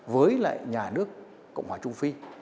với lại nhà nước cộng hòa trung phi